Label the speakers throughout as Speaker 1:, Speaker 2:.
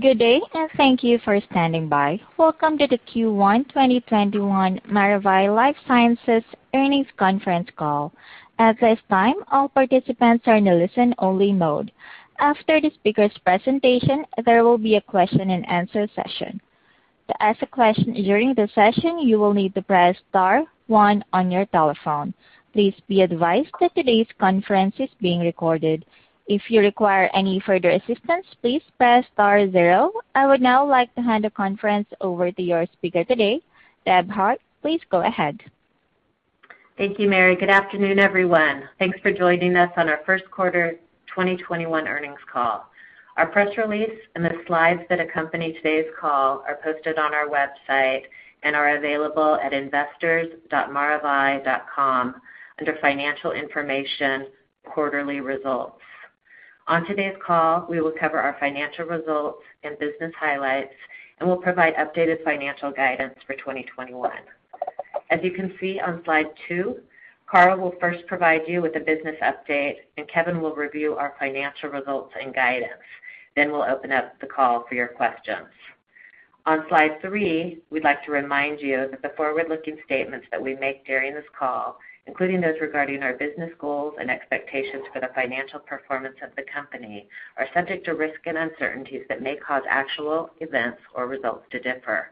Speaker 1: Good day, and thank you for standing by. Welcome to the Q1 2021 Maravai LifeSciences earnings conference call. At this time, all participants are in a listen-only mode. After the speaker's presentation, there will be a question and answer session. To ask a question during the session, you will need to press star one on your telephone. Please be advised that today's conference is being recorded. If you require any further assistance, please press star zero. I would now like to hand the conference over to your speaker today, Debra Hart. Please go ahead.
Speaker 2: Thank you, Mary. Good afternoon, everyone. Thanks for joining us on our Q1 2021 earnings call. Our press release and the slides that accompany today's call are posted on our website and are available at investors.maravai.com under Financial Information, Quarterly Results. On today's call, we will cover our financial results and business highlights and will provide updated financial guidance for 2021. As you can see on slide two, Carl will first provide you with a business update. Kevin will review our financial results and guidance. We'll open up the call for your questions. On slide three, we'd like to remind you that the forward-looking statements that we make during this call, including those regarding our business goals and expectations for the financial performance of the company, are subject to risks and uncertainties that may cause actual events or results to differ.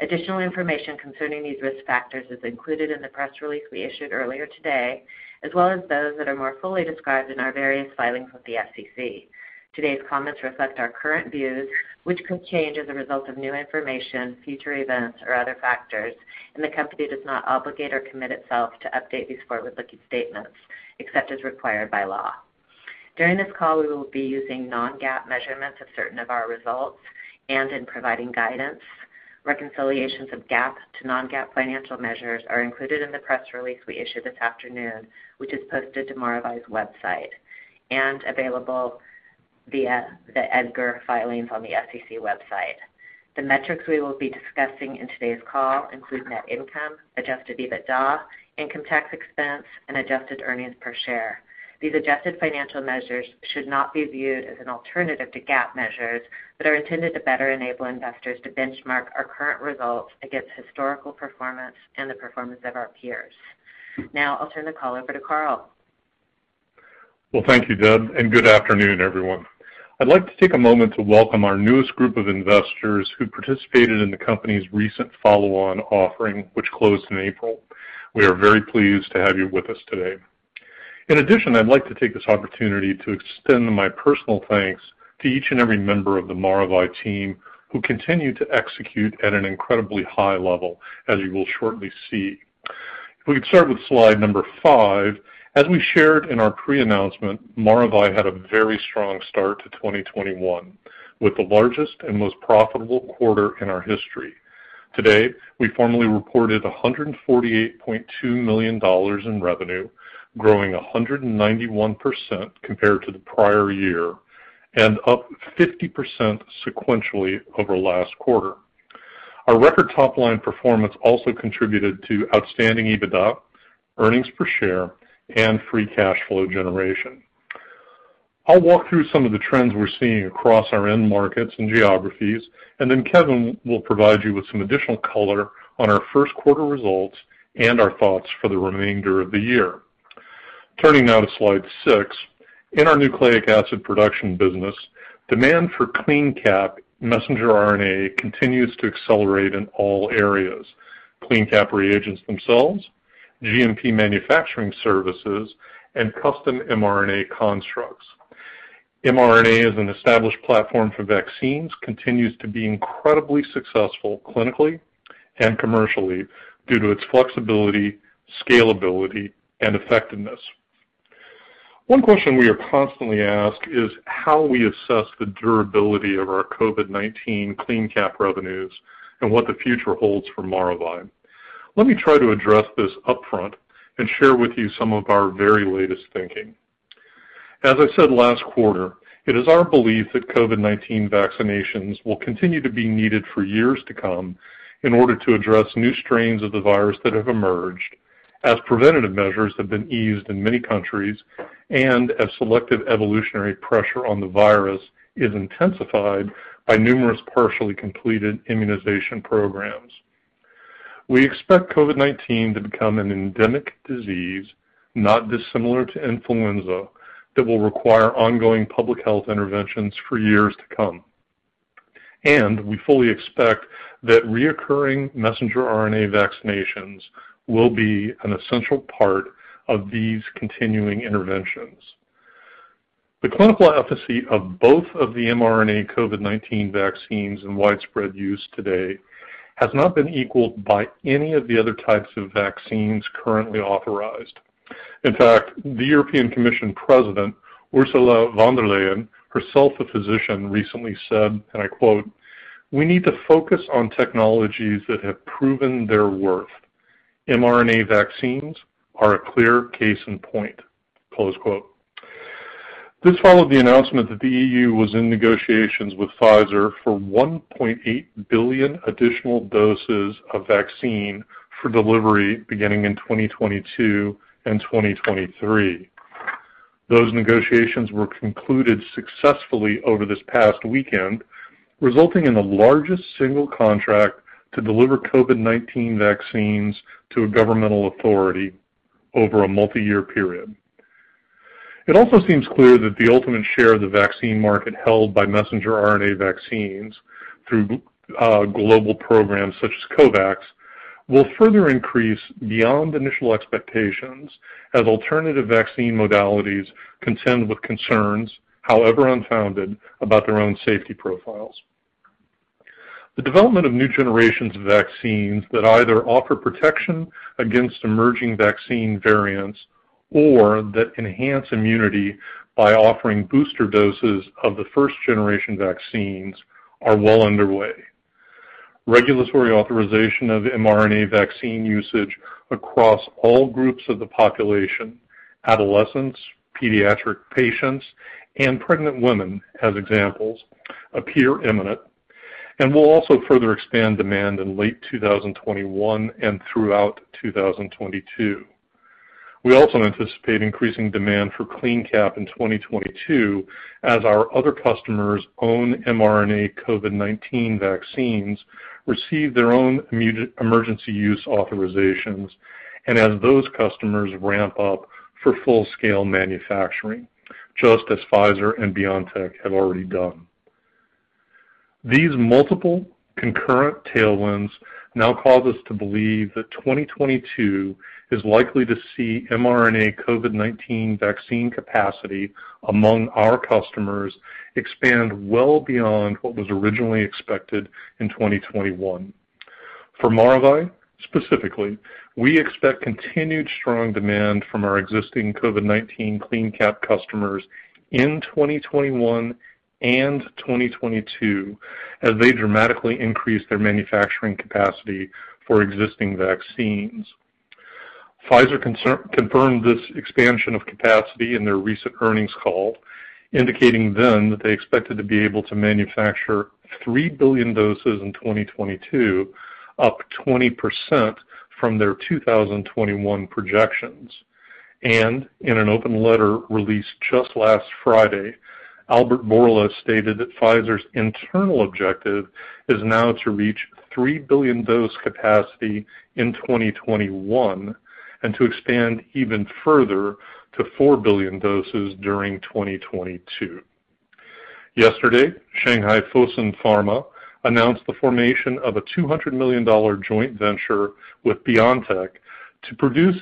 Speaker 2: Additional information concerning these risk factors is included in the press release we issued earlier today, as well as those that are more fully described in our various filings with the SEC. Today's comments reflect our current views, which could change as a result of new information, future events, or other factors, and the company does not obligate or commit itself to update these forward-looking statements except as required by law. During this call, we will be using non-GAAP measurements of certain of our results and in providing guidance. Reconciliations of GAAP to non-GAAP financial measures are included in the press release we issued this afternoon, which is posted to Maravai's website and available via the EDGAR filings on the SEC website. The metrics we will be discussing in today's call include net income, adjusted EBITDA, income tax expense, and adjusted earnings per share. These adjusted financial measures should not be viewed as an alternative to GAAP measures but are intended to better enable investors to benchmark our current results against historical performance and the performance of our peers. Now, I'll turn the call over to Carl.
Speaker 3: Well, thank you, Deb, and good afternoon, everyone. I'd like to take a moment to welcome our newest group of investors who participated in the company's recent follow-on offering, which closed in April. We are very pleased to have you with us today. In addition, I'd like to take this opportunity to extend my personal thanks to each and every member of the Maravai team who continue to execute at an incredibly high level, as you will shortly see. If we could start with slide number five. As we shared in our pre-announcement, Maravai had a very strong start to 2021, with the largest and most profitable quarter in our history. Today, we formally reported $148.2 million in revenue, growing 191% compared to the prior year and up 50% sequentially over last quarter. Our record top-line performance also contributed to outstanding EBITDA, earnings per share, and free cash flow generation. I'll walk through some of the trends we're seeing across our end markets and geographies, and then Kevin will provide you with some additional color on our first quarter results and our thoughts for the remainder of the year. Turning now to slide six. In our Nucleic Acid Production business, demand for CleanCap Messenger RNA continues to accelerate in all areas, CleanCap reagents themselves, GMP manufacturing services, and custom mRNA constructs. mRNA as an established platform for vaccines continues to be incredibly successful clinically and commercially due to its flexibility, scalability, and effectiveness. One question we are constantly asked is how we assess the durability of our COVID-19 CleanCap revenues and what the future holds for Maravai. Let me try to address this upfront and share with you some of our very latest thinking. As I said last quarter, it is our belief that COVID-19 vaccinations will continue to be needed for years to come in order to address new strains of the virus that have emerged as preventative measures have been eased in many countries and as selective evolutionary pressure on the virus is intensified by numerous partially completed immunization programs. We expect COVID-19 to become an endemic disease, not dissimilar to influenza, that will require ongoing public health interventions for years to come, and we fully expect that reoccurring messenger RNA vaccinations will be an essential part of these continuing interventions. The clinical efficacy of both of the mRNA COVID-19 vaccines in widespread use today has not been equaled by any of the other types of vaccines currently authorized. In fact, the European Commission president, Ursula von der Leyen, herself a physician, recently said, and I quote, "We need to focus on technologies that have proven their worth. mRNA vaccines are a clear case in point." Close quote. This followed the announcement that the EU was in negotiations with Pfizer for $1.8 billion additional doses of vaccine for delivery beginning in 2022 and 2023. Those negotiations were concluded successfully over this past weekend, resulting in the largest single contract to deliver COVID-19 vaccines to a governmental authority over a multi-year period. It also seems clear that the ultimate share of the vaccine market held by messenger RNA vaccines through global programs such as COVAX will further increase beyond initial expectations as alternative vaccine modalities contend with concerns, however unfounded, about their own safety profiles. The development of new generations of vaccines that either offer protection against emerging vaccine variants or that enhance immunity by offering booster doses of the first-generation vaccines are well underway. Regulatory authorization of mRNA vaccine usage across all groups of the population, adolescents, pediatric patients, and pregnant women as examples, appear imminent and will also further expand demand in late 2021 and throughout 2022. We also anticipate increasing demand for CleanCap in 2022 as our other customers' own mRNA COVID-19 vaccines receive their own emergency use authorizations, and as those customers ramp up for full-scale manufacturing, just as Pfizer and BioNTech have already done. These multiple concurrent tailwinds now cause us to believe that 2022 is likely to see mRNA COVID-19 vaccine capacity among our customers expand well beyond what was originally expected in 2021. For Maravai, specifically, we expect continued strong demand from our existing COVID-19 CleanCap customers in 2021 and 2022 as they dramatically increase their manufacturing capacity for existing vaccines. Pfizer confirmed this expansion of capacity in their recent earnings call, indicating then that they expected to be able to manufacture 3 billion doses in 2022, up 20% from their 2021 projections. In an open letter released just last Friday, Albert Bourla stated that Pfizer's internal objective is now to reach 3 billion dose capacity in 2021 and to expand even further to 4 billion doses during 2022. Yesterday, Shanghai Fosun Pharma announced the formation of a $200 million joint venture with BioNTech to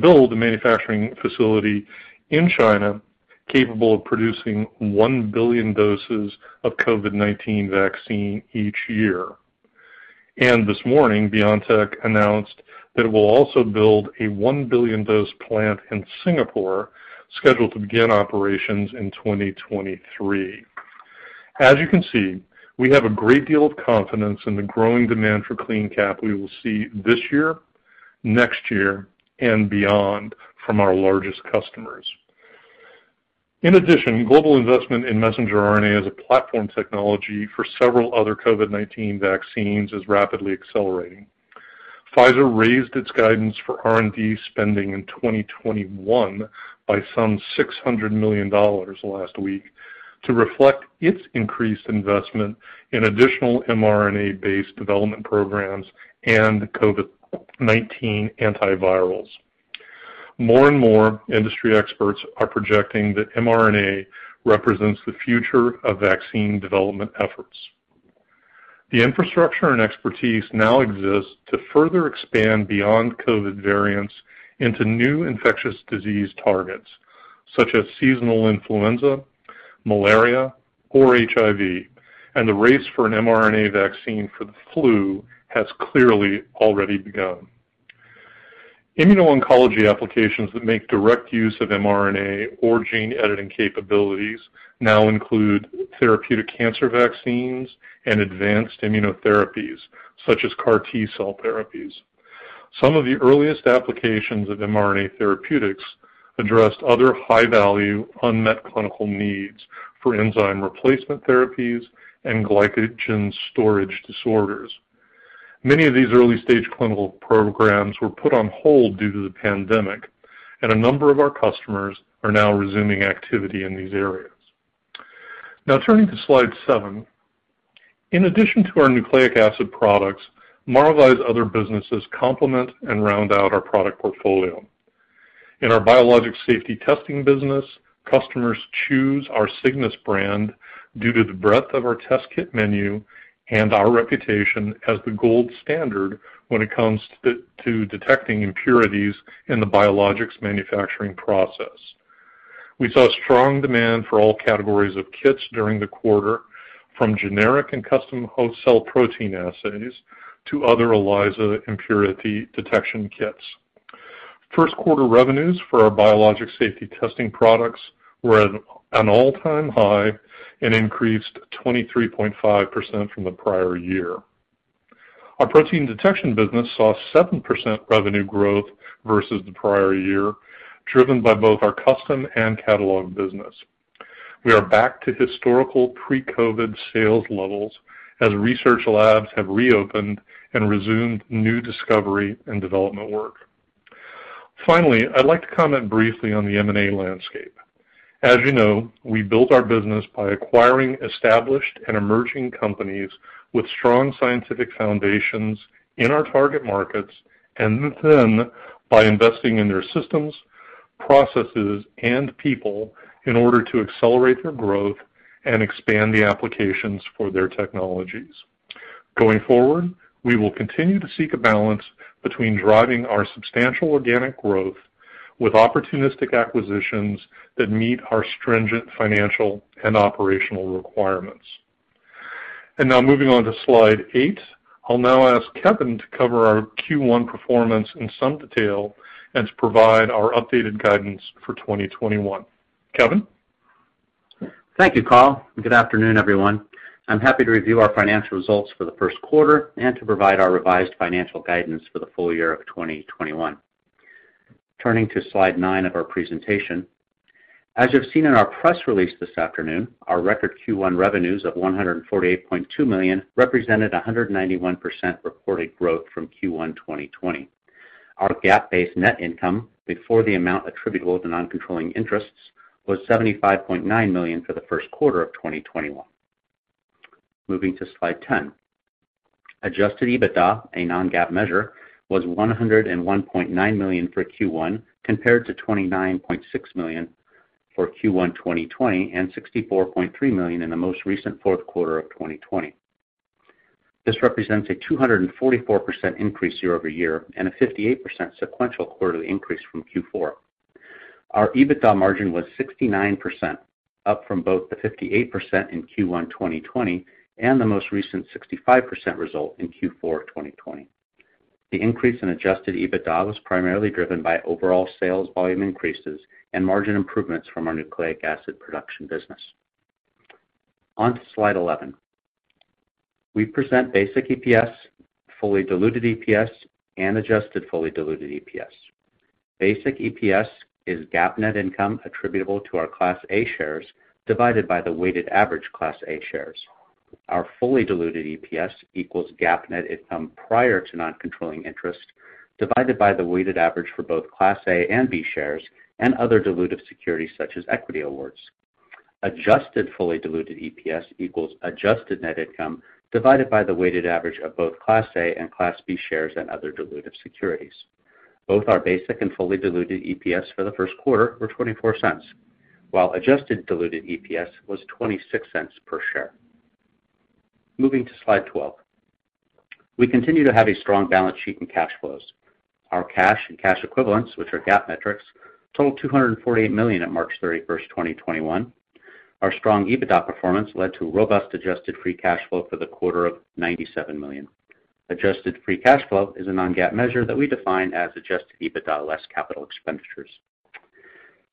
Speaker 3: build a manufacturing facility in China capable of producing 1 billion doses of COVID-19 vaccine each year. This morning, BioNTech announced that it will also build a 1 billion-dose plant in Singapore, scheduled to begin operations in 2023. As you can see, we have a great deal of confidence in the growing demand for CleanCap we will see this year, next year, and beyond from our largest customers. In addition, global investment in messenger RNA as a platform technology for several other COVID-19 vaccines is rapidly accelerating. Pfizer raised its guidance for R&D spending in 2021 by some $600 million last week to reflect its increased investment in additional mRNA-based development programs and COVID-19 antivirals. More and more industry experts are projecting that mRNA represents the future of vaccine development efforts. The infrastructure and expertise now exists to further expand beyond COVID variants into new infectious disease targets such as seasonal influenza, malaria, or HIV, and the race for an mRNA vaccine for the flu has clearly already begun. Immuno-oncology applications that make direct use of mRNA or gene editing capabilities now include therapeutic cancer vaccines and advanced immunotherapies such as CAR T-cell therapies. Some of the earliest applications of mRNA therapeutics addressed other high-value unmet clinical needs for enzyme replacement therapies and glycogen storage disorders. Many of these early-stage clinical programs were put on hold due to the pandemic, and a number of our customers are now resuming activity in these areas. Turning to slide seven. In addition to our nucleic acid products, Maravai's other businesses complement and round out our product portfolio. In our Biologics Safety Testing business, customers choose our Cygnus brand due to the breadth of our test kit menu and our reputation as the gold standard when it comes to detecting impurities in the biologics manufacturing process. We saw strong demand for all categories of kits during the quarter, from generic and custom whole cell protein assays to other ELISA impurity detection kits. Q1 revenues for our Biologics Safety Testing products were at an all-time high and increased 23.5% from the prior year. Our protein detection business saw seven percent revenue growth versus the prior year, driven by both our custom and catalog business. We are back to historical pre-COVID sales levels as research labs have reopened and resumed new discovery and development work. I'd like to comment briefly on the M&A landscape. As you know, we built our business by acquiring established and emerging companies with strong scientific foundations in our target markets and then by investing in their systems, processes, and people in order to accelerate their growth and expand the applications for their technologies. Going forward, we will continue to seek a balance between driving our substantial organic growth with opportunistic acquisitions that meet our stringent financial and operational requirements. Now moving on to slide eight. I'll now ask Kevin to cover our Q1 performance in some detail and to provide our updated guidance for 2021. Kevin?
Speaker 4: Thank you, Carl, and good afternoon, everyone. I'm happy to review our financial results for the Q1 and to provide our revised financial guidance for the full year of 2021. Turning to Slide nine of our presentation. As you've seen in our press release this afternoon, our record Q1 revenues of $148.2 million represented 191% reported growth from Q1 2020. Our GAAP-based net income before the amount attributable to non-controlling interests was $75.9 million for the Q1 of 2021. Moving to Slide 10. Adjusted EBITDA, a non-GAAP measure, was $101.9 million for Q1 compared to $29.6 million for Q1 2020 and $64.3 million in the most recent Q4 of 2020. This represents a 244% increase year-over-year and a 58% sequential quarterly increase from Q4. Our EBITDA margin was 69%, up from both the 58% in Q1 2020 and the most recent 65% result in Q4 2020. The increase in adjusted EBITDA was primarily driven by overall sales volume increases and margin improvements from our Nucleic Acid Production business. On to Slide 11. We present basic EPS, fully diluted EPS, and adjusted fully diluted EPS. Basic EPS is GAAP net income attributable to our Class A shares divided by the weighted average Class A shares. Our fully diluted EPS equals GAAP net income prior to non-controlling interest divided by the weighted average for both Class A and Class B shares and other dilutive securities such as equity awards. Adjusted fully diluted EPS equals adjusted net income divided by the weighted average of both Class A and Class B shares and other dilutive securities. Both our basic and fully diluted EPS for the Q1 were $0.24, while adjusted diluted EPS was $0.26 per share. Moving to Slide 12. We continue to have a strong balance sheet and cash flows. Our cash and cash equivalents, which are GAAP metrics, totaled $248 million on March 31st, 2021. Our strong EBITDA performance led to robust adjusted free cash flow for the quarter of $97 million. Adjusted free cash flow is a non-GAAP measure that we define as adjusted EBITDA less capital expenditures.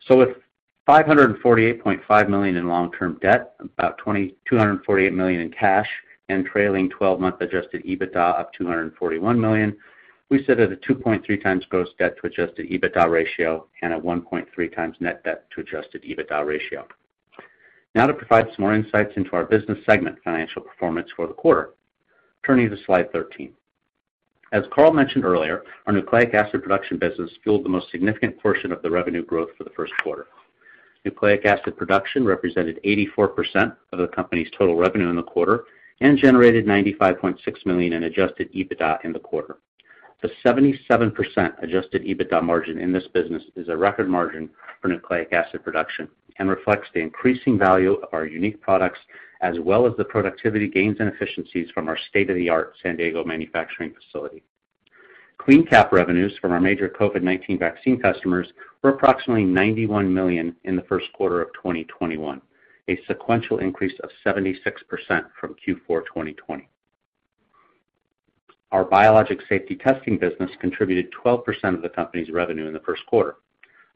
Speaker 4: With $548.5 million in long-term debt, about $248 million in cash, and trailing 12-month adjusted EBITDA of $241 million, we sit at a 2.3x gross debt to adjusted EBITDA ratio and a 1.3 times net debt to adjusted EBITDA ratio. Now to provide some more insights into our business segment financial performance for the quarter. Turning to Slide 13. As Carl mentioned earlier, our Nucleic Acid Production business fueled the most significant portion of the revenue growth for the first quarter. Nucleic Acid Production represented 84% of the company's total revenue in the quarter and generated $95.6 million in adjusted EBITDA in the quarter. The 77% adjusted EBITDA margin in this business is a record margin for Nucleic Acid Production and reflects the increasing value of our unique products as well as the productivity gains and efficiencies from our state-of-the-art San Diego manufacturing facility. CleanCap revenues from our major COVID-19 vaccine customers were approximately $91 million in the Q1 of 2021, a sequential increase of 76% from Q4 2020. Our Biologics Safety Testing business contributed 12% of the company's revenue in the Q1.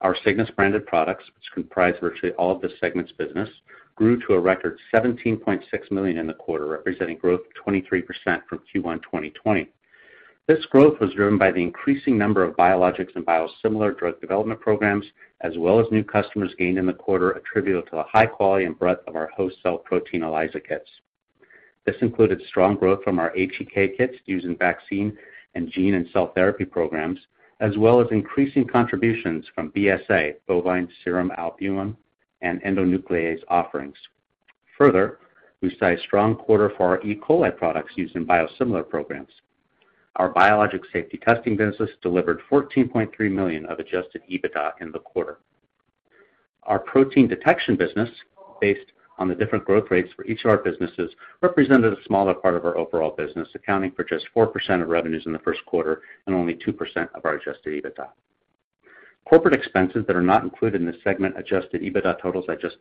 Speaker 4: Our Cygnus-branded products, which comprise virtually all of the segment's business, grew to a record $17.6 million in the quarter, representing growth of 23% from Q1 2020. This growth was driven by the increasing number of biologics and biosimilar drug development programs as well as new customers gained in the quarter attributable to the high quality and breadth of our host cell protein ELISA kits. This included strong growth from our HEK kits used in vaccine and gene and cell therapy programs, as well as increasing contributions from BSA, bovine serum albumin, and endonuclease offerings. Further, we saw a strong quarter for our E. coli products used in biosimilar programs. Our Biologics Safety Testing business delivered $14.3 million of adjusted EBITDA in the quarter. Our protein detection business, based on the different growth rates for each of our businesses, represented a smaller part of our overall business, accounting for just four percent of revenues in the Q1 and only two percent of our adjusted EBITDA. Corporate expenses that are not included in the segment adjusted EBITDA totals I just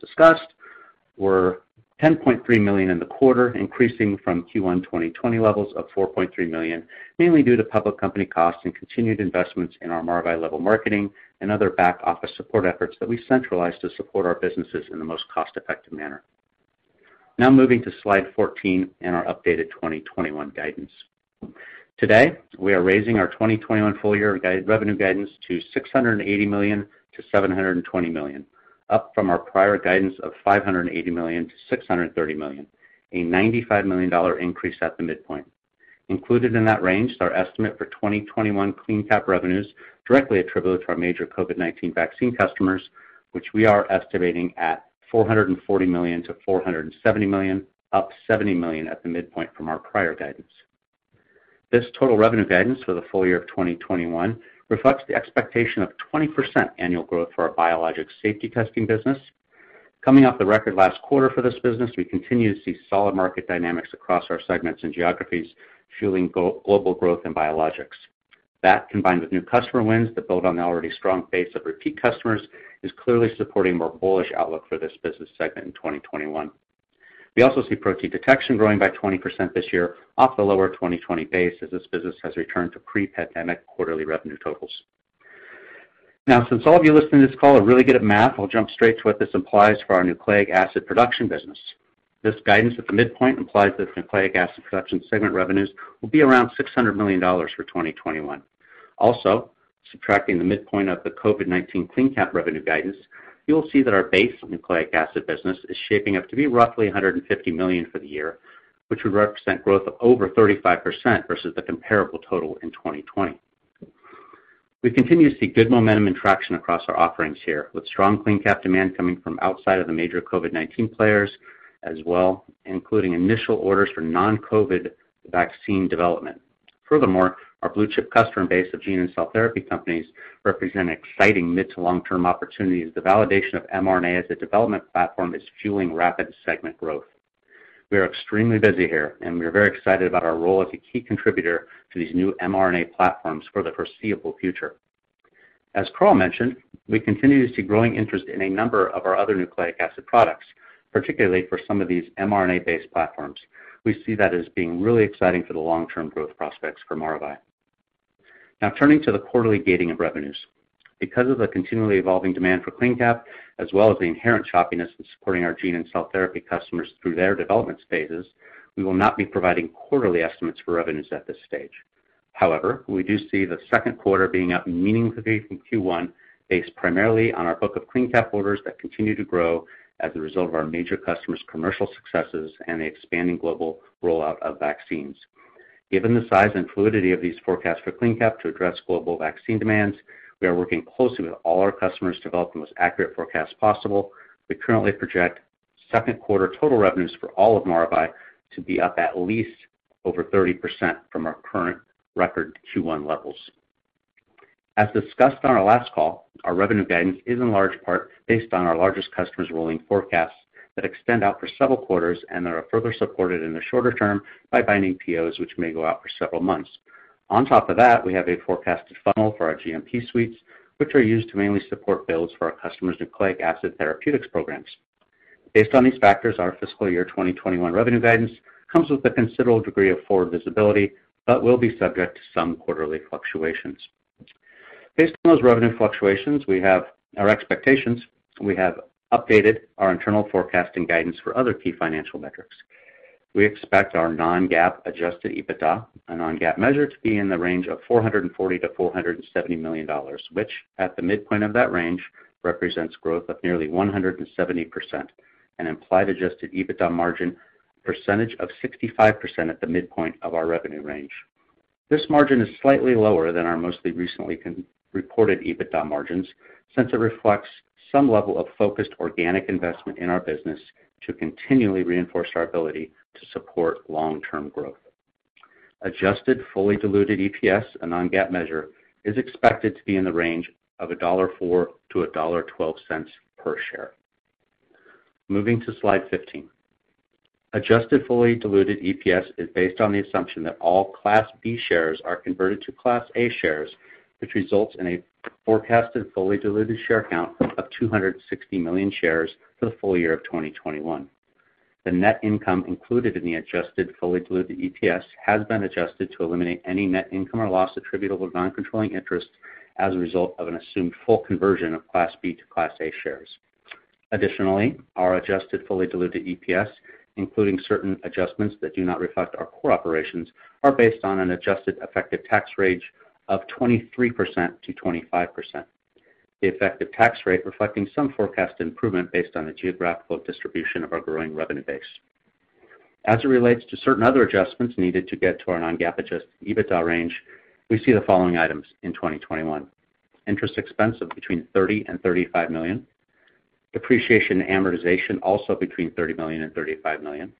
Speaker 4: discussed were $10.3 million in the quarter, increasing from Q1 2020 levels of $4.3 million, mainly due to public company costs and continued investments in our Maravai level marketing and other back office support efforts that we centralized to support our businesses in the most cost-effective manner. Now moving to slide 14 and our updated 2021 guidance. Today, we are raising our 2021 full year revenue guidance to $680 million-$720 million, up from our prior guidance of $580 million-$630 million, a $95 million increase at the midpoint. Included in that range is our estimate for 2021 CleanCap revenues directly attributable to our major COVID-19 vaccine customers, which we are estimating at $440 million-$470 million, up $70 million at the midpoint from our prior guidance. This total revenue guidance for the full year of 2021 reflects the expectation of 20% annual growth for our biologic safety testing business. Coming off the record last quarter for this business, we continue to see solid market dynamics across our segments and geographies fueling global growth in biologics. That, combined with new customer wins that build on the already strong base of repeat customers, is clearly supporting a more bullish outlook for this business segment in 2021. We also see protein detection growing by 20% this year off the lower 2020 base as this business has returned to pre-pandemic quarterly revenue totals. Now, since all of you listening to this call are really good at math, I'll jump straight to what this implies for our Nucleic Acid Production business. This guidance at the midpoint implies that Nucleic Acid Production segment revenues will be around $600 million for 2021. Also, subtracting the midpoint of the COVID-19 CleanCap revenue guidance, you'll see that our base Nucleic Acid business is shaping up to be roughly $150 million for the year, which would represent growth of over 35% versus the comparable total in 2020. We continue to see good momentum and traction across our offerings here, with strong CleanCap demand coming from outside of the major COVID-19 players as well, including initial orders for non-COVID vaccine development. Furthermore, our blue-chip customer base of gene and cell therapy companies represent exciting mid to long-term opportunities. The validation of mRNA as a development platform is fueling rapid segment growth. We are extremely busy here, and we are very excited about our role as a key contributor to these new mRNA platforms for the foreseeable future. As Carl mentioned, we continue to see growing interest in a number of our other nucleic acid products, particularly for some of these mRNA-based platforms. We see that as being really exciting for the long-term growth prospects for Maravai. Now turning to the quarterly gating of revenues. Because of the continually evolving demand for CleanCap, as well as the inherent choppiness in supporting our gene and cell therapy customers through their development stages, we will not be providing quarterly estimates for revenues at this stage. We do see the Q2 being up meaningfully from Q1 based primarily on our book of CleanCap orders that continue to grow as a result of our major customers' commercial successes and the expanding global rollout of vaccines. Given the size and fluidity of these forecasts for CleanCap to address global vaccine demands, we are working closely with all our customers to develop the most accurate forecast possible. We currently project Q2 total revenues for all of Maravai to be up at least over 30% from our current record Q1 levels. As discussed on our last call, our revenue guidance is in large part based on our largest customers' rolling forecasts that extend out for several quarters and are further supported in the shorter term by binding POs, which may go out for several months. On top of that, we have a forecasted funnel for our GMP suites, which are used to mainly support builds for our customers' nucleic acid therapeutics programs. Based on these factors, our fiscal year 2021 revenue guidance comes with a considerable degree of forward visibility but will be subject to some quarterly fluctuations. Based on those revenue fluctuations, our expectations, we have updated our internal forecast and guidance for other key financial metrics. We expect our non-GAAP adjusted EBITDA, a non-GAAP measure, to be in the range of $440 million-$470 million, which at the midpoint of that range represents growth of nearly 170% and implied adjusted EBITDA margin percentage of 65% at the midpoint of our revenue range. This margin is slightly lower than our mostly recently reported EBITDA margins since it reflects some level of focused organic investment in our business to continually reinforce our ability to support long-term growth. Adjusted fully diluted EPS, a non-GAAP measure, is expected to be in the range of $1.04 - $1.12 per share. Moving to slide 15. Adjusted fully diluted EPS is based on the assumption that all Class B shares are converted to Class A shares, which results in a forecasted fully diluted share count of 260 million shares for the full year of 2021. The net income included in the adjusted fully diluted EPS has been adjusted to eliminate any net income or loss attributable to non-controlling interest as a result of an assumed full conversion of Class B to Class A shares. Additionally, our adjusted fully diluted EPS, including certain adjustments that do not reflect our core operations, are based on an adjusted effective tax rate of 23%-25%. The effective tax rate reflecting some forecast improvement based on the geographical distribution of our growing revenue base. As it relates to certain other adjustments needed to get to our non-GAAP adjusted EBITDA range, we see the following items in 2021. Interest expense of between $30 million and $35 million, depreciation and amortization also between $30 million and $35 million,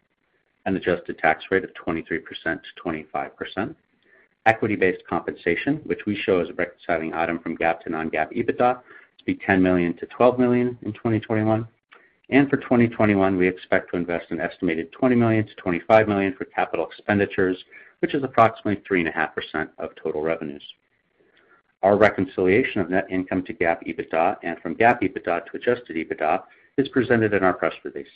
Speaker 4: an adjusted tax rate of 23%-25%, equity-based compensation, which we show as a reconciling item from GAAP to non-GAAP EBITDA to be $10 million-$12 million in 2021, and for 2021, we expect to invest an estimated $20 million-$25 million for capital expenditures, which is approximately 3.5% of total revenues. Our reconciliation of net income to GAAP EBITDA and from GAAP EBITDA to adjusted EBITDA is presented in our press release.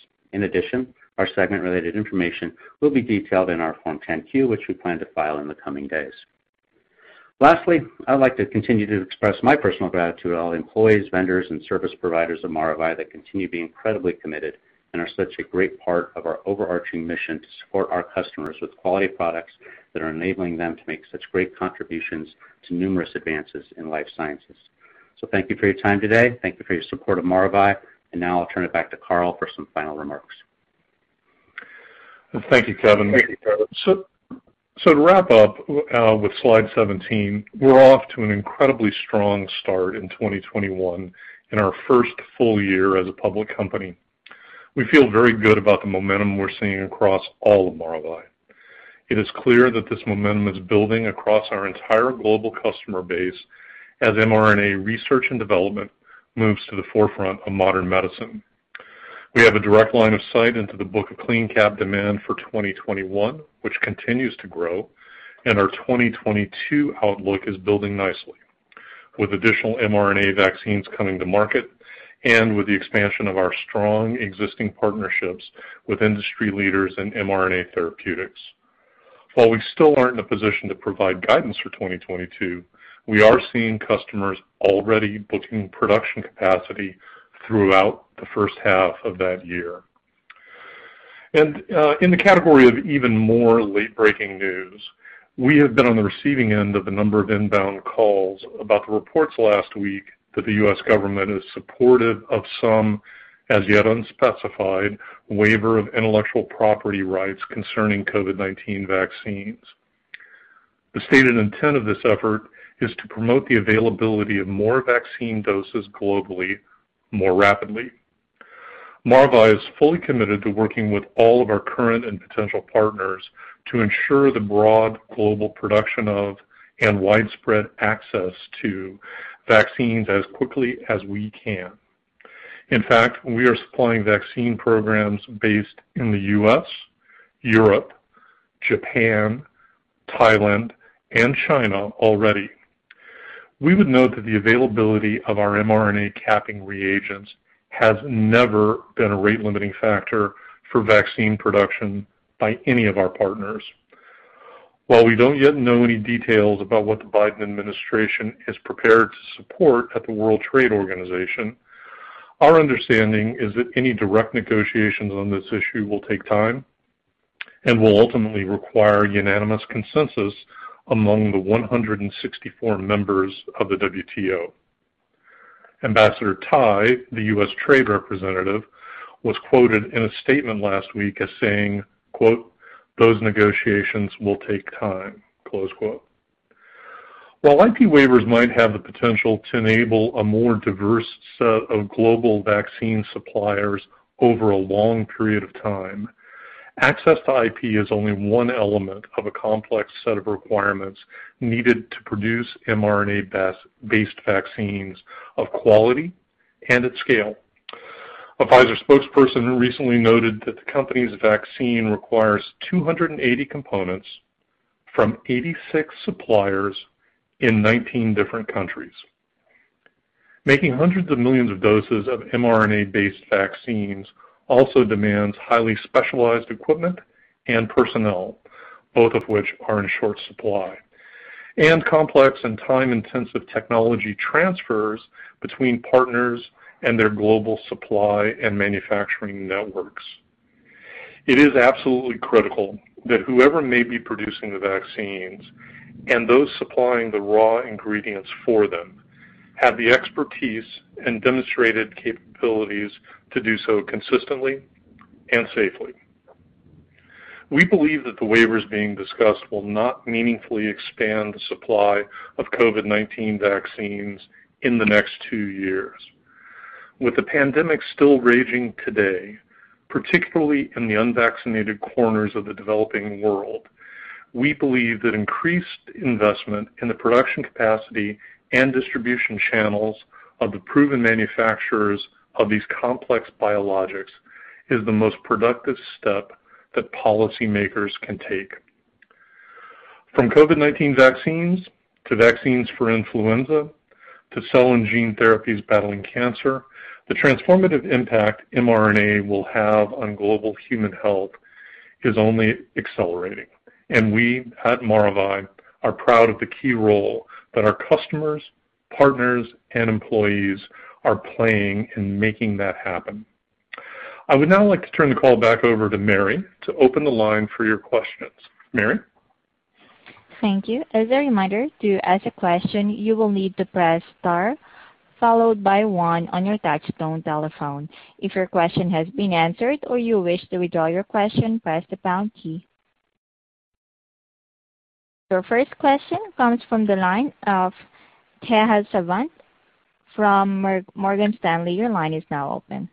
Speaker 4: Our segment-related information will be detailed in our Form 10-Q, which we plan to file in the coming days. I would like to continue to express my personal gratitude to all the employees, vendors, and service providers of Maravai that continue to be incredibly committed and are such a great part of our overarching mission to support our customers with quality products that are enabling them to make such great contributions to numerous advances in life sciences. Thank you for your time today. Thank you for your support of Maravai, and now I'll turn it back to Carl for some final remarks.
Speaker 3: Thank you, Kevin. To wrap up with slide 17, we're off to an incredibly strong start in 2021 in our first full year as a public company. We feel very good about the momentum we're seeing across all of Maravai. It is clear that this momentum is building across our entire global customer base as mRNA research and development moves to the forefront of modern medicine. We have a direct line of sight into the book of CleanCap demand for 2021, which continues to grow, and our 2022 outlook is building nicely with additional mRNA vaccines coming to market and with the expansion of our strong existing partnerships with industry leaders in mRNA therapeutics. While we still aren't in a position to provide guidance for 2022, we are seeing customers already booking production capacity throughout the first half of that year. In the category of even more late-breaking news, we have been on the receiving end of a number of inbound calls about the reports last week that the U.S. government is supportive of some, as yet unspecified, waiver of intellectual property rights concerning COVID-19 vaccines. The stated intent of this effort is to promote the availability of more vaccine doses globally, more rapidly. Maravai is fully committed to working with all of our current and potential partners to ensure the broad global production of and widespread access to vaccines as quickly as we can. In fact, we are supplying vaccine programs based in the U.S., Europe, Japan, Thailand, and China already. We would note that the availability of our mRNA capping reagents has never been a rate-limiting factor for vaccine production by any of our partners. While we don't yet know any details about what the Biden administration is prepared to support at the World Trade Organization, our understanding is that any direct negotiations on this issue will take time and will ultimately require unanimous consensus among the 164 members of the WTO. Ambassador Tai, the U.S. Trade Representative, was quoted in a statement last week as saying, quote, "Those negotiations will take time." Close quote. While IP waivers might have the potential to enable a more diverse set of global vaccine suppliers over a long period of time, access to IP is only one element of a complex set of requirements needed to produce mRNA-based vaccines of quality and at scale. A Pfizer spokesperson recently noted that the company's vaccine requires 280 components from 86 suppliers in 19 different countries. Making hundreds of millions of doses of mRNA-based vaccines also demands highly specialized equipment and personnel, both of which are in short supply, and complex and time-intensive technology transfers between partners and their global supply and manufacturing networks. It is absolutely critical that whoever may be producing the vaccines and those supplying the raw ingredients for them have the expertise and demonstrated capabilities to do so consistently and safely. We believe that the waivers being discussed will not meaningfully expand the supply of COVID-19 vaccines in the next two years. With the pandemic still raging today, particularly in the unvaccinated corners of the developing world, we believe that increased investment in the production capacity and distribution channels of the proven manufacturers of these complex biologics is the most productive step that policymakers can take. From COVID-19 vaccines to vaccines for influenza, to cell and gene therapies battling cancer, the transformative impact mRNA will have on global human health is only accelerating, and we at Maravai are proud of the key role that our customers, partners, and employees are playing in making that happen. I would now like to turn the call back over to Mary to open the line for your questions. Mary?
Speaker 1: Thank you. Your first question comes from the line of Tejas Savant from Morgan Stanley. Your line is now open.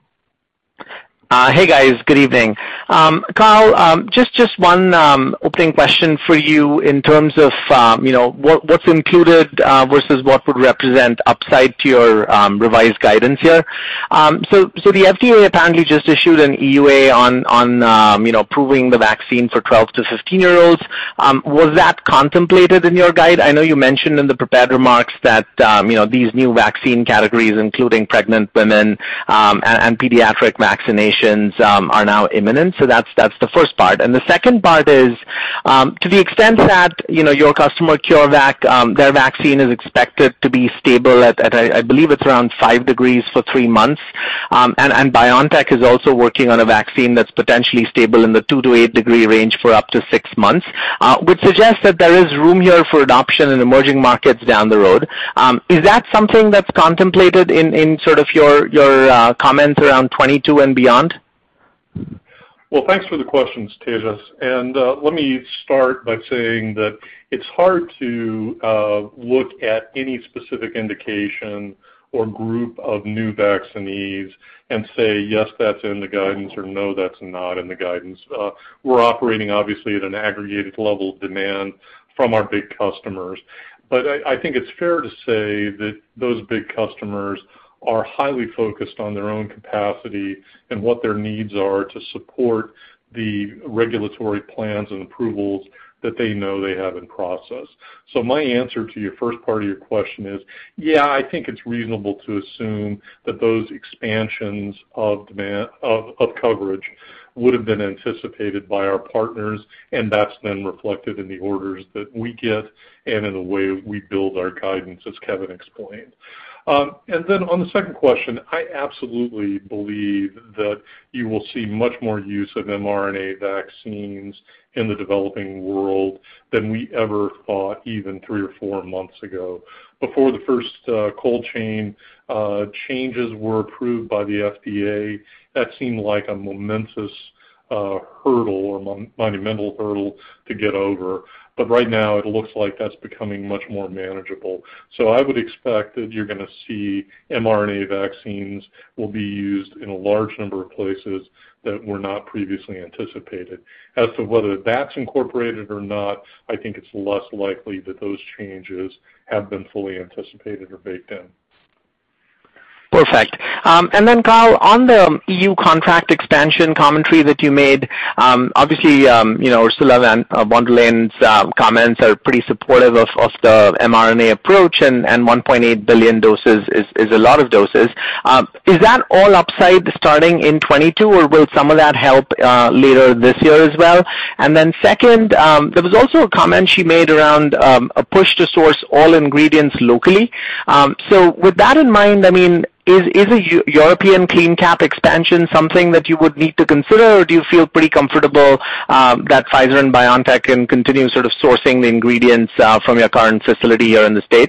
Speaker 5: Hey, guys. Good evening. Carl, just one opening question for you in terms of what's included versus what would represent upside to your revised guidance here. The FDA apparently just issued an EUA on approving the vaccine for 12 - 15-year-olds. Was that contemplated in your guide? I know you mentioned in the prepared remarks that these new vaccine categories, including pregnant women and pediatric vaccinations, are now imminent. That's the first part. The second part is, to the extent that your customer CureVac, their vaccine is expected to be stable at, I believe it's around five degrees forthree months. BioNTech is also working on a vaccine that's potentially stable in the two - eight degree range for up to six months, which suggests that there is room here for adoption in emerging markets down the road. Is that something that's contemplated in sort of your comments around 2022 and beyond?
Speaker 3: Well, thanks for the questions, Tejas. Let me start by saying that it's hard to look at any specific indication or group of new vaccinees and say, "Yes, that's in the guidance," or, "No, that's not in the guidance." We're operating obviously at an aggregated level of demand from our big customers. I think it's fair to say that those big customers are highly focused on their own capacity and what their needs are to support the regulatory plans and approvals that they know they have in process. My answer to your first part of your question is, yeah, I think it's reasonable to assume that those expansions of coverage would've been anticipated by our partners, and that's then reflected in the orders that we get and in the way we build our guidance, as Kevin explained. On the second question, I absolutely believe that you will see much more use of mRNA vaccines in the developing world than we ever thought, even three or four months ago. Before the first cold chain changes were approved by the FDA, that seemed like a momentous hurdle or monumental hurdle to get over. Right now it looks like that's becoming much more manageable. I would expect that you're going to see mRNA vaccines will be used in a large number of places that were not previously anticipated. As to whether that's incorporated or not, I think it's less likely that those changes have been fully anticipated or baked in.
Speaker 5: Perfect. Carl, on the EU contract expansion commentary that you made, obviously, Ursula von der Leyen's comments are pretty supportive of the mRNA approach, 1.8 billion doses is a lot of doses. Is that all upside starting in 2022, or will some of that help later this year as well? Second, there was also a comment she made around a push to source all ingredients locally. With that in mind, is a European CleanCap expansion something that you would need to consider, or do you feel pretty comfortable that Pfizer and BioNTech can continue sort of sourcing the ingredients from your current facility here in the U.S.?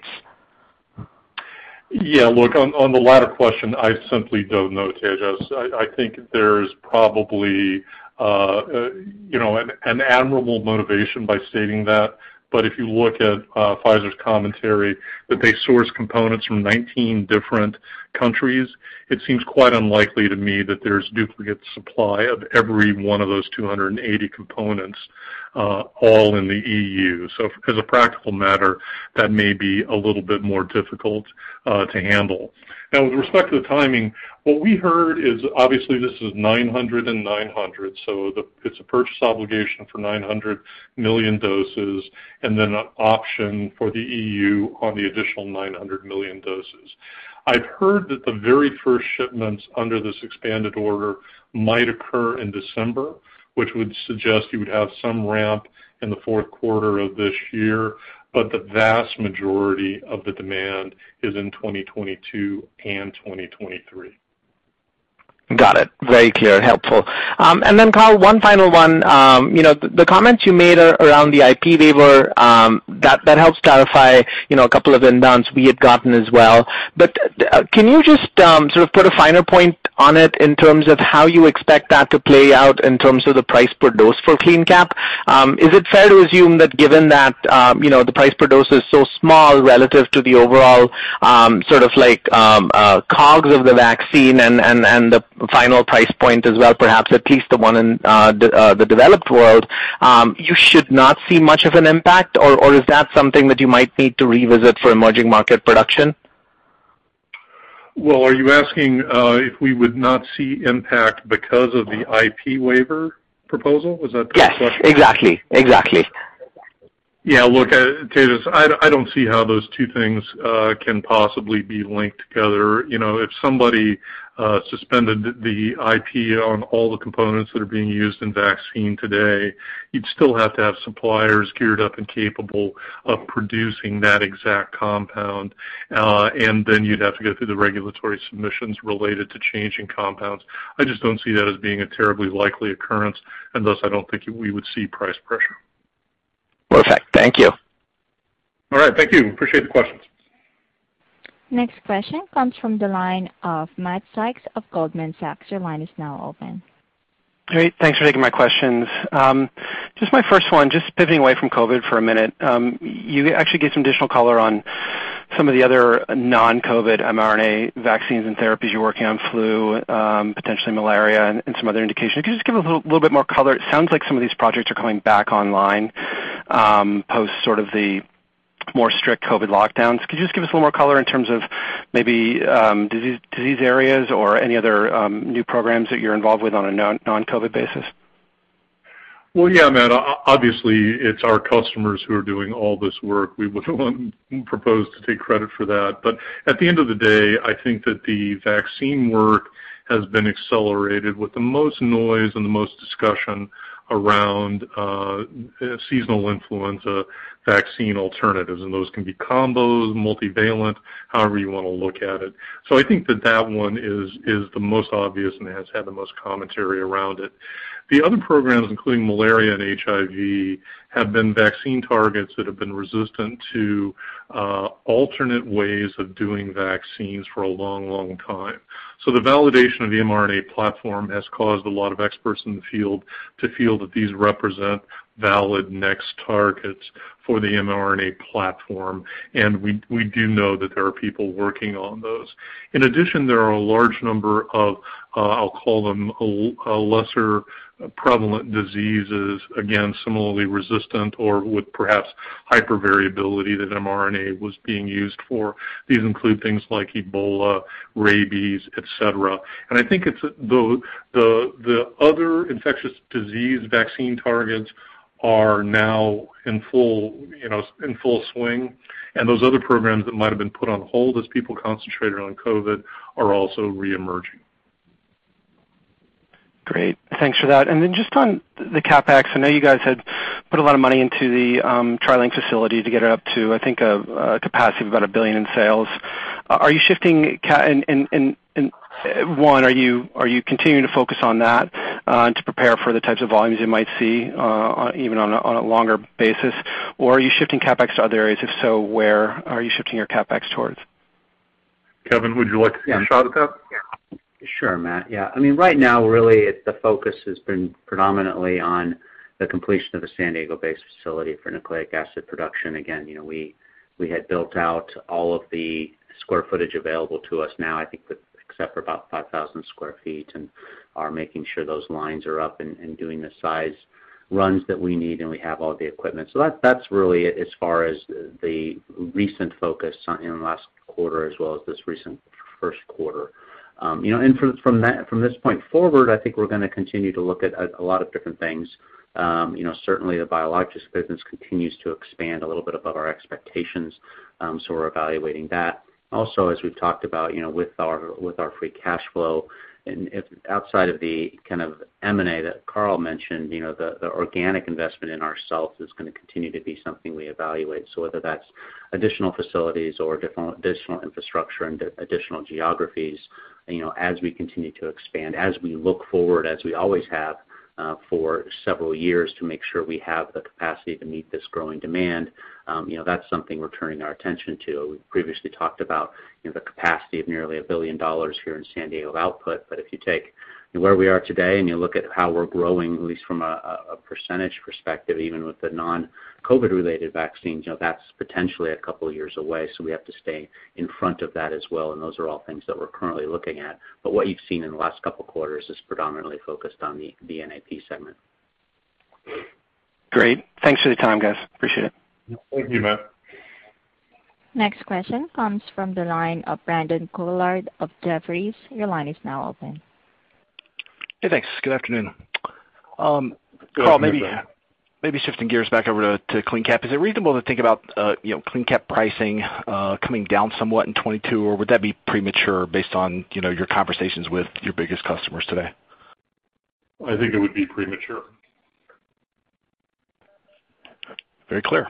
Speaker 3: Yeah. Look, on the latter question, I simply don't know, Tejas. I think there's probably an admirable motivation by stating that. If you look at Pfizer's commentary that they source components from 19 different countries, it seems quite unlikely to me that there's duplicate supply of every one of those 280 components all in the EU. As a practical matter, that may be a little bit more difficult to handle. Now with respect to the timing, what we heard is obviously this is 900 and 900, so it's a purchase obligation for 900 million doses, and then an option for the EU on the additional 900 million doses. I've heard that the very first shipments under this expanded order might occur in December, which would suggest you would have some ramp in the Q4 of this year. The vast majority of the demand is in 2022 and 2023.
Speaker 5: Got it. Very clear, helpful. Carl, one final one. The comments you made around the IP waiver, that helps clarify a couple of the announcements we had gotten as well. Can you just sort of put a finer point on it in terms of how you expect that to play out in terms of the price per dose for CleanCap? Is it fair to assume that given that the price per dose is so small relative to the overall sort of COGS of the vaccine and the final price point as well, perhaps at least the one in the developed world, you should not see much of an impact, or is that something that you might need to revisit for emerging market production?
Speaker 3: Well, are you asking if we would not see impact because of the IP waiver proposal? Was that the question?
Speaker 5: Yes, exactly.
Speaker 3: Look, Tejas, I don't see how those two things can possibly be linked together. If somebody suspended the IP on all the components that are being used in vaccine today, you'd still have to have suppliers geared up and capable of producing that exact compound. Then you'd have to go through the regulatory submissions related to changing compounds. I just don't see that as being a terribly likely occurrence, thus, I don't think we would see price pressure.
Speaker 5: Perfect. Thank you.
Speaker 3: All right. Thank you. Appreciate the questions.
Speaker 1: Next question comes from the line of Matthew Sykes of Goldman Sachs. Your line is now open.
Speaker 6: Great. Thanks for taking my questions. Just my first one, just pivoting away from COVID for a minute. You actually gave some additional color on some of the other non-COVID mRNA vaccines and therapies you're working on flu, potentially malaria, and some other indications. Could you just give a little bit more color? It sounds like some of these projects are coming back online post sort of the more strict COVID lockdowns. Could you just give us a little more color in terms of maybe disease areas or any other new programs that you're involved with on a non-COVID basis?
Speaker 3: Well, yeah, Matt, obviously it's our customers who are doing all this work. We wouldn't propose to take credit for that. At the end of the day, I think that the vaccine work has been accelerated with the most noise and the most discussion around seasonal influenza vaccine alternatives, and those can be combos, multivalent, however you want to look at it. I think that that one is the most obvious and has had the most commentary around it. The other programs, including malaria and HIV, have been vaccine targets that have been resistant to alternate ways of doing vaccines for a long time. The validation of the mRNA platform has caused a lot of experts in the field to feel that these represent valid next targets for the mRNA platform, and we do know that there are people working on those. In addition, there are a large number of, I'll call them, lesser prevalent diseases, again, similarly resistant or with perhaps hypervariability that mRNA was being used for. These include things like Ebola, rabies, et cetera. I think the other infectious disease vaccine targets are now in full swing, and those other programs that might have been put on hold as people concentrated on COVID are also reemerging.
Speaker 6: Great. Thanks for that. Just on the CapEx, I know you guys had put a lot of money into the TriLink facility to get it up to, I think, a capacity of about $1 billion in sales. One, are you continuing to focus on that to prepare for the types of volumes you might see even on a longer basis, or are you shifting CapEx to other areas? If so, where are you shifting your CapEx towards?
Speaker 3: Kevin, would you like to take a shot at that?
Speaker 4: Sure, Matt. Yeah. Right now, really, the focus has been predominantly on the completion of the San Diego-based facility for Nucleic Acid Production. Again, we had built out all of the square footage available to us now, I think except for about 5,000 square feet, and are making sure those lines are up and doing the size runs that we need, and we have all the equipment. That's really it as far as the recent focus in the last quarter as well as this recent Q1. From this point forward, I think we're going to continue to look at a lot of different things. Certainly the biologics business continues to expand a little bit above our expectations, so we're evaluating that. As we've talked about with our free cash flow, and outside of the kind of M&A that Carl mentioned, the organic investment in ourselves is going to continue to be something we evaluate. Whether that's additional facilities or additional infrastructure and additional geographies as we continue to expand, as we look forward, as we always have for several years to make sure we have the capacity to meet this growing demand, that's something we're turning our attention to. We previously talked about the capacity of nearly $1 billion here in San Diego output. If you take where we are today and you look at how we're growing, at least from a percentage perspective, even with the non-COVID related vaccines, that's potentially a couple of years away, so we have to stay in front of that as well, and those are all things that we're currently looking at. What you've seen in the last couple of quarters is predominantly focused on the NIP segment.
Speaker 6: Great. Thanks for the time, guys. Appreciate it.
Speaker 3: Thank you, Matt.
Speaker 1: Next question comes from the line of Brandon Couillard of Jefferies. Your line is now open.
Speaker 7: Hey, thanks. Good afternoon.
Speaker 3: Good afternoon, Brandon.
Speaker 7: Carl, maybe shifting gears back over to CleanCap, is it reasonable to think about CleanCap pricing coming down somewhat in 2022, or would that be premature based on your conversations with your biggest customers today?
Speaker 3: I think it would be premature.
Speaker 7: Very clear.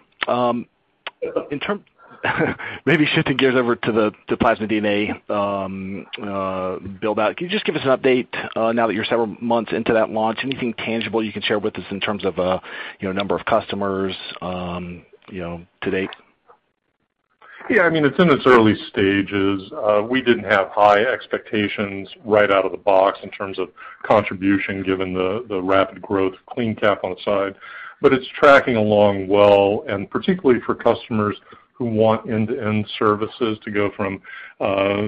Speaker 7: Maybe shifting gears over to the plasmid DNA build-out. Can you just give us an update now that you're several months into that launch? Anything tangible you can share with us in terms of number of customers to date?
Speaker 3: Yeah. It's in its early stages. We didn't have high expectations right out of the box in terms of contribution given the rapid growth of CleanCap on the side. It's tracking along well, and particularly for customers who want end-to-end services to go from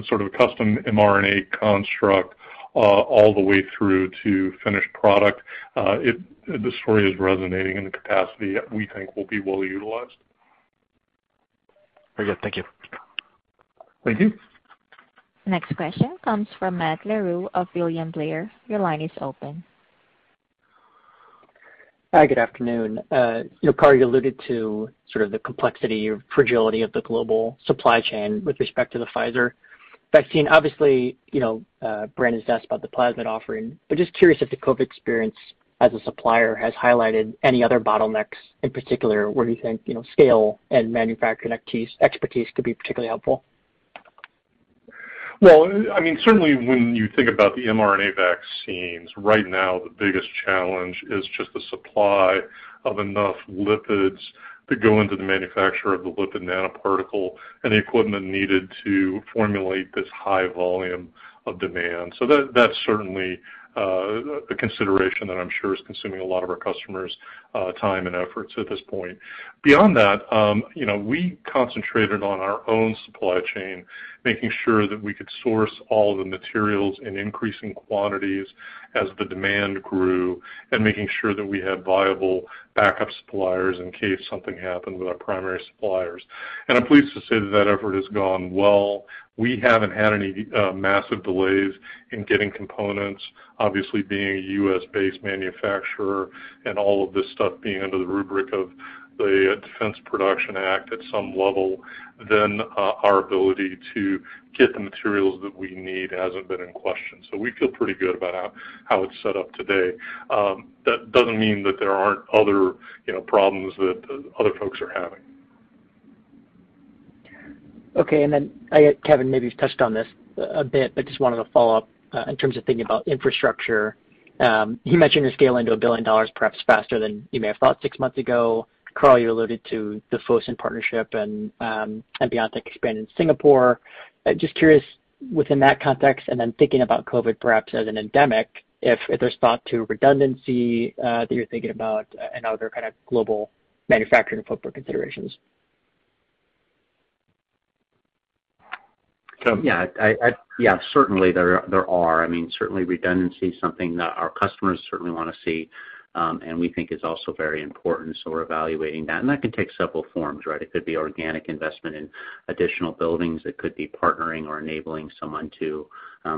Speaker 3: sort of a custom mRNA construct all the way through to finished product. The story is resonating, and the capacity, we think, will be well utilized.
Speaker 7: Very good. Thank you.
Speaker 3: Thank you.
Speaker 1: Next question comes from Matt Larew of William Blair. Your line is open.
Speaker 8: Hi, good afternoon. Carl, you alluded to sort of the complexity or fragility of the global supply chain with respect to the Pfizer vaccine. Obviously, Brandon's asked about the plasmid offering, but just curious if the COVID experience as a supplier has highlighted any other bottlenecks in particular where you think scale and manufacturing expertise could be particularly helpful.
Speaker 3: Well, certainly when you think about the mRNA vaccines, right now the biggest challenge is just the supply of enough lipids to go into the manufacture of the lipid nanoparticle and the equipment needed to formulate this high volume of demand. That's certainly a consideration that I'm sure is consuming a lot of our customers' time and efforts at this point. Beyond that, we concentrated on our own supply chain, making sure that we could source all the materials in increasing quantities as the demand grew, and making sure that we had viable backup suppliers in case something happened with our primary suppliers. I'm pleased to say that effort has gone well. We haven't had any massive delays in getting components. Obviously, being a U.S.-based manufacturer and all of this stuff being under the rubric of the Defense Production Act at some level, then our ability to get the materials that we need hasn't been in question. We feel pretty good about how it's set up today. That doesn't mean that there aren't other problems that other folks are having
Speaker 8: Okay, Kevin, maybe you've touched on this a bit, but just wanted to follow up in terms of thinking about infrastructure. You mentioned you're scaling to $1 billion perhaps faster than you may have thought six months ago. Carl, you alluded to the Fosun partnership and BioNTech expand in Singapore. Just curious, within that context, and then thinking about COVID perhaps as an endemic, if there's thought to redundancy that you're thinking about and other kind of global manufacturing footprint considerations.
Speaker 4: Yeah. Certainly there are. Certainly redundancy is something that our customers certainly want to see, and we think is also very important, so we're evaluating that. That can take several forms, right? It could be organic investment in additional buildings, it could be partnering or enabling someone to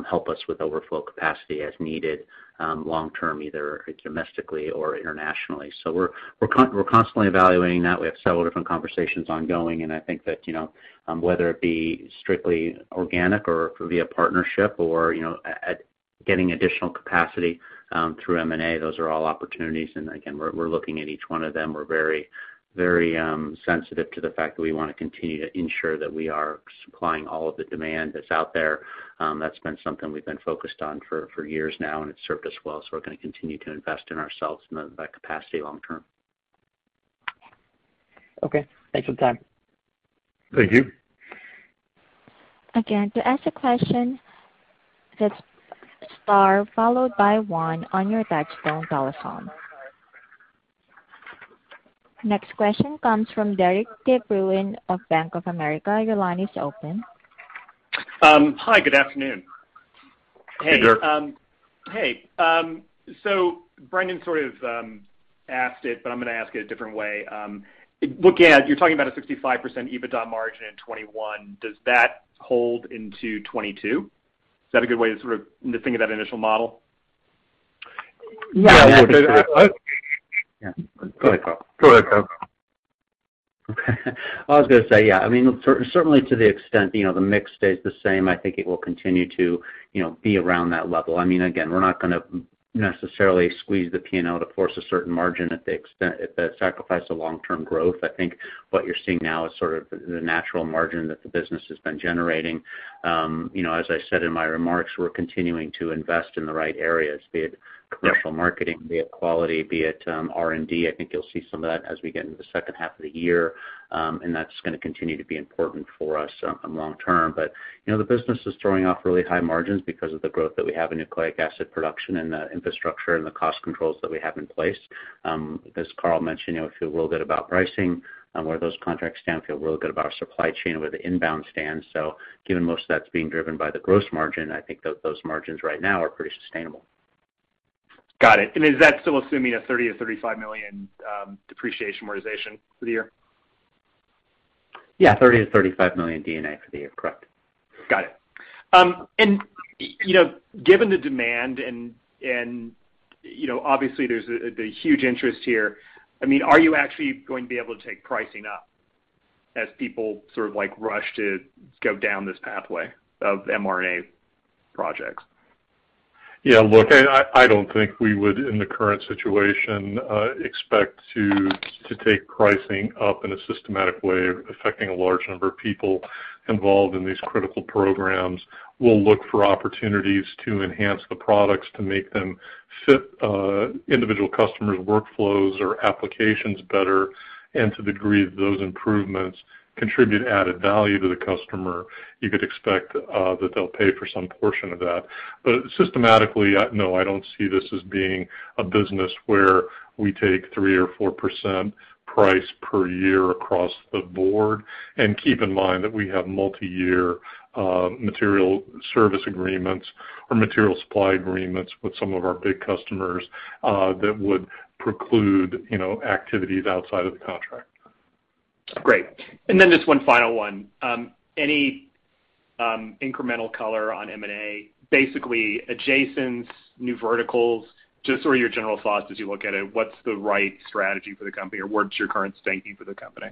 Speaker 4: help us with overflow capacity as needed long term, either domestically or internationally. We're constantly evaluating that. We have several different conversations ongoing. I think that whether it be strictly organic or via partnership or getting additional capacity through M&A, those are all opportunities. Again, we're looking at each one of them. We're very sensitive to the fact that we want to continue to ensure that we are supplying all of the demand that's out there. That's been something we've been focused on for years now, and it's served us well, so we're going to continue to invest in ourselves and that capacity long term.
Speaker 8: Okay. Thanks for the time.
Speaker 3: Thank you.
Speaker 1: Next question comes from Derik de Bruin of Bank of America. Your line is open.
Speaker 9: Hi, good afternoon.
Speaker 3: Hey, Derik.
Speaker 9: Hey. Brandon sort of asked it, but I'm going to ask it a different way. Looking at, you're talking about a 65% EBITDA margin in 2021. Does that hold into 2022? Is that a good way to sort of think of that initial model?
Speaker 3: Yeah.
Speaker 4: Yeah. Go ahead, Carl. I was going to say, yeah. Certainly to the extent the mix stays the same, I think it will continue to be around that level. Again, we're not going to necessarily squeeze the P&L to force a certain margin at the expense if that sacrifices the long-term growth. I think what you're seeing now is sort of the natural margin that the business has been generating. As I said in my remarks, we're continuing to invest in the right areas, be it commercial marketing, be it quality, be it R&D. I think you'll see some of that as we get into the second half of the year. That's going to continue to be important for us long term. The business is throwing off really high margins because of the growth that we have in Nucleic Acid Production and the infrastructure and the cost controls that we have in place. As Carl mentioned, I feel a little bit about pricing, where those contracts stand, feel a little bit about our supply chain, where the inbound stands. Given most of that's being driven by the gross margin, I think those margins right now are pretty sustainable.
Speaker 9: Got it. Is that still assuming a $30 million-$35 million depreciation amortization for the year?
Speaker 4: Yeah. $30 million-$35 million DNA for the year. Correct.
Speaker 9: Got it. Given the demand and obviously there's the huge interest here, are you actually going to be able to take pricing up as people sort of rush to go down this pathway of mRNA projects?
Speaker 3: Yeah, look, I don't think we would, in the current situation, expect to take pricing up in a systematic way affecting a large number of people involved in these critical programs. We'll look for opportunities to enhance the products to make them fit individual customers' workflows or applications better. To the degree that those improvements contribute added value to the customer, you could expect that they'll pay for some portion of that. Systematically, no, I don't see this as being a business where we take three percent or four percent price per year across the board. Keep in mind that we have multi-year material service agreements or material supply agreements with some of our big customers that would preclude activities outside of the contract.
Speaker 9: Great. Just one final one. Any incremental color on M&A, basically adjacents, new verticals, just sort of your general thoughts as you look at it? What's the right strategy for the company, or what's your current thinking for the company?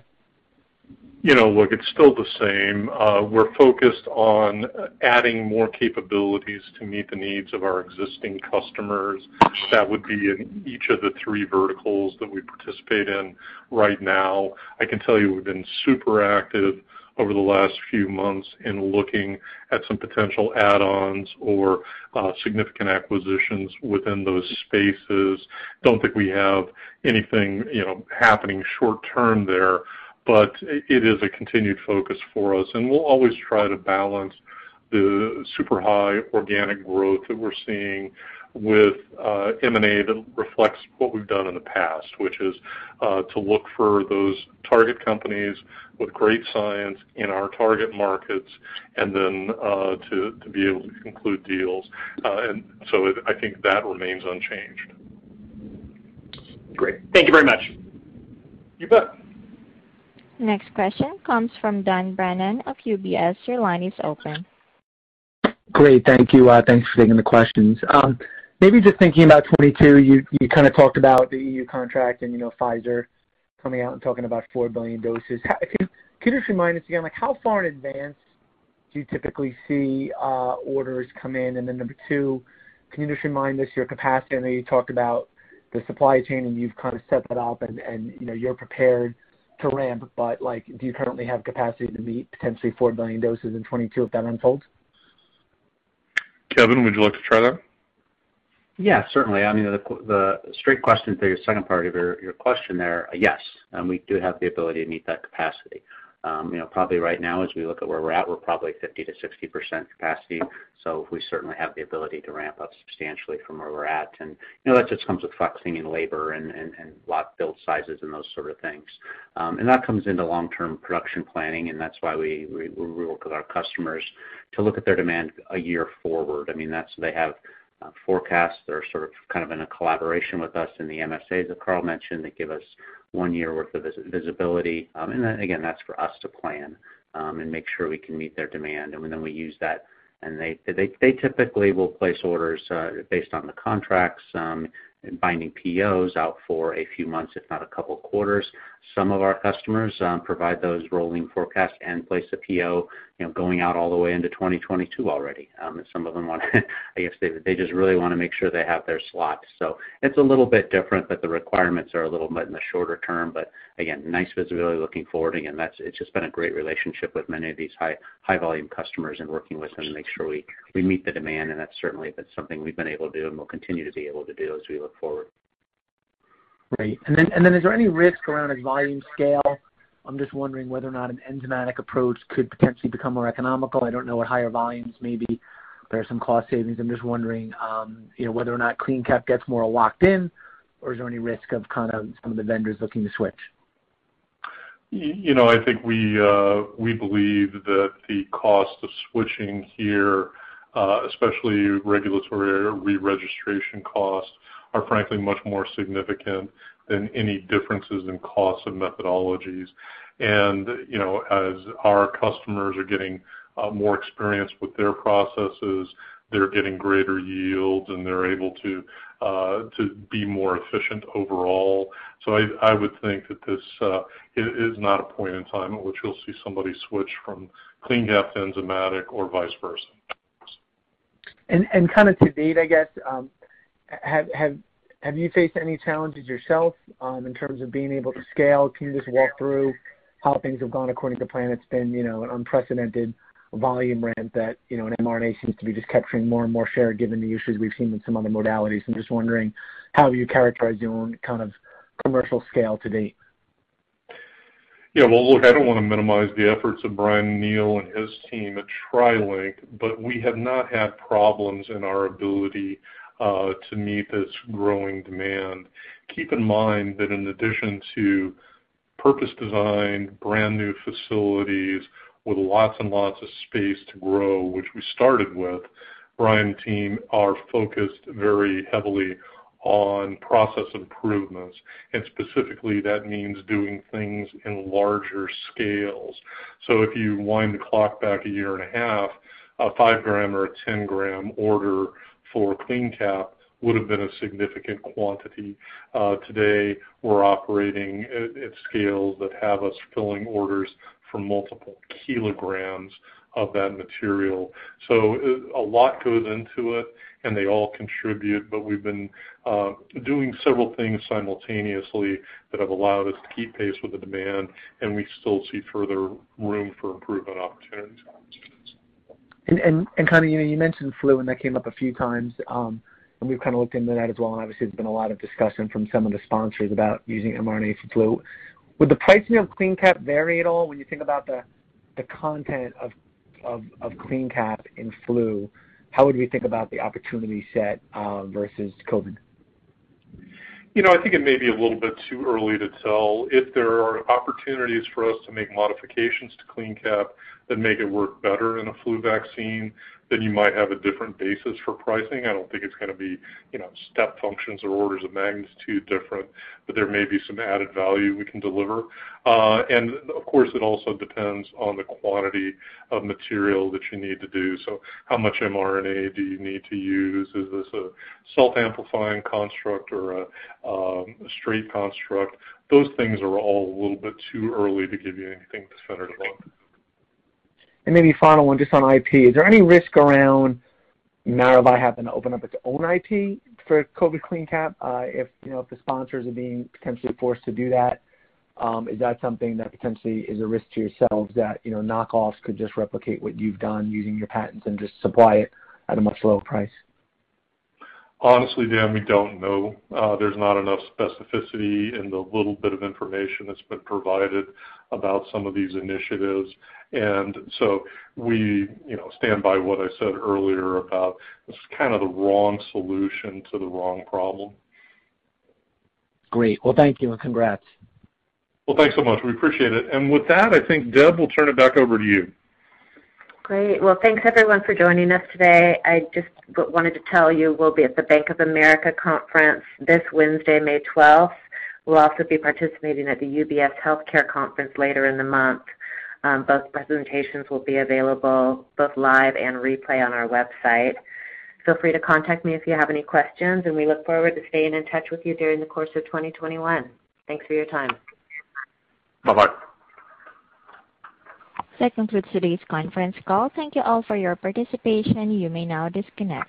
Speaker 3: Look, it's still the same. We're focused on adding more capabilities to meet the needs of our existing customers. That would be in each of the three verticals that we participate in right now. I can tell you we've been super active over the last few months in looking at some potential add-ons or significant acquisitions within those spaces. Don't think we have anything happening short term there, but it is a continued focus for us, and we'll always try to balance the super high organic growth that we're seeing with M&A that reflects what we've done in the past, which is to look for those target companies with great science in our target markets and then to be able to conclude deals. I think that remains unchanged.
Speaker 9: Great. Thank you very much.
Speaker 3: You bet.
Speaker 1: Next question comes from Dan Brennan of UBS. Your line is open.
Speaker 10: Great, thank you. Thanks for taking the questions. Maybe just thinking about 2022, you kind of talked about the EU contract and Pfizer coming out and talking about 4 billion doses. Can you just remind us again, how far in advance do you typically see orders come in? Number two, can you just remind us your capacity? I know you talked about the supply chain and you've set that up and you're prepared to ramp, do you currently have capacity to meet potentially 4 billion doses in 2022 if that unfolds?
Speaker 3: Kevin, would you like to try that?
Speaker 4: Yeah, certainly. The straight question for your second part of your question there, yes, we do have the ability to meet that capacity. Probably right now as we look at where we're at, we're probably 50%-60% capacity, so we certainly have the ability to ramp up substantially from where we're at. That just comes with flexing in labor and lot build sizes and those sort of things. That comes into long-term production planning, and that's why we work with our customers to look at their demand a year forward. They have forecasts that are in a collaboration with us in the MSAs that Carl mentioned, that give us one year worth of visibility. Again, that's for us to plan and make sure we can meet their demand, and then we use that. They typically will place orders based on the contracts, binding POs out for a few months, if not a couple of quarters. Some of our customers provide those rolling forecasts and place a PO going out all the way into 2022 already. Some of them, I guess, they just really want to make sure they have their slots. It's a little bit different, but the requirements are a little bit in the shorter term, but again, nice visibility looking forward. It's just been a great relationship with many of these high volume customers and working with them to make sure we meet the demand, and that's certainly been something we've been able to do and will continue to be able to do as we look forward.
Speaker 10: Right. Is there any risk around a volume scale? I'm just wondering whether or not an enzymatic approach could potentially become more economical. I don't know what higher volumes may be. There are some cost savings. I'm just wondering whether or not CleanCap gets more locked in, or is there any risk of some of the vendors looking to switch?
Speaker 3: I think we believe that the cost of switching here, especially regulatory re-registration costs, are frankly much more significant than any differences in costs of methodologies. As our customers are getting more experienced with their processes, they're getting greater yields and they're able to be more efficient overall. I would think that this is not a point in time at which we'll see somebody switch from CleanCap to enzymatic or vice versa.
Speaker 10: To date, I guess, have you faced any challenges yourself in terms of being able to scale? Can you just walk through how things have gone according to plan? It's been an unprecedented volume ramp that an mRNA seems to be just capturing more and more share given the issues we've seen with some other modalities. I'm just wondering how you characterize your own kind of commercial scale to date.
Speaker 3: Yeah. Well, look, I don't want to minimize the efforts of Brian Neel and his team at TriLink, but we have not had problems in our ability to meet this growing demand. Keep in mind that in addition to purpose design, brand new facilities with lots and lots of space to grow, which we started with, Brian team are focused very heavily on process improvements, specifically that means doing things in larger scales. If you wind the clock back a year and a half, a five gram or a 10 gram order for CleanCap would've been a significant quantity. Today we're operating at scales that have us filling orders for multiple kilograms of that material. A lot goes into it and they all contribute, but we've been doing several things simultaneously that have allowed us to keep pace with the demand and we still see further room for improvement opportunities.
Speaker 10: You mentioned flu and that came up a few times, and we've kind of looked into that as well, and obviously there's been a lot of discussion from some of the sponsors about using mRNA for flu. Would the pricing of CleanCap vary at all when you think about the content of CleanCap in flu? How would we think about the opportunity set versus COVID?
Speaker 3: I think it may be a little bit too early to tell. If there are opportunities for us to make modifications to CleanCap that make it work better in a flu vaccine, then you might have a different basis for pricing. I don't think it's going to be step functions or orders of magnitude different, but there may be some added value we can deliver. Of course it also depends on the quantity of material that you need to do. How much mRNA do you need to use? Is this a self-amplifying construct or a straight construct? Those things are all a little bit too early to give you anything definitive on.
Speaker 10: Maybe final one, just on IP. Is there any risk around Maravai having to open up its own IP for COVID CleanCap? If the sponsors are being potentially forced to do that, is that something that potentially is a risk to yourselves that knock-offs could just replicate what you've done using your patents and just supply it at a much lower price?
Speaker 3: Honestly, Dan, we don't know. There's not enough specificity in the little bit of information that's been provided about some of these initiatives, and so we stand by what I said earlier about this is kind of the wrong solution to the wrong problem.
Speaker 10: Great. Well, thank you and congrats.
Speaker 3: Well, thanks so much. We appreciate it. With that, I think Deb will turn it back over to you.
Speaker 2: Great. Well, thanks everyone for joining us today. I just wanted to tell you we'll be at the Bank of America conference this Wednesday, May 12th. We'll also be participating at the UBS Global Healthcare Conference later in the month. Both presentations will be available both live and replay on our website. Feel free to contact me if you have any questions, and we look forward to staying in touch with you during the course of 2021. Thanks for your time.
Speaker 3: Bye-bye.
Speaker 1: That concludes today's conference call. Thank you all for your participation. You may now disconnect.